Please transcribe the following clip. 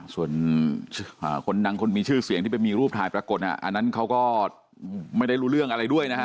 ส่วนคนดังคนมีชื่อเสียงที่ไปมีรูปถ่ายปรากฏอันนั้นเขาก็ไม่ได้รู้เรื่องอะไรด้วยนะฮะ